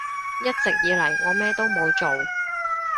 一直以嚟我咩都冇做